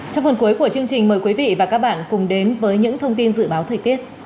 trong phần cuối của chương trình mời quý vị và các bạn cùng đến với những thông tin dự báo thời tiết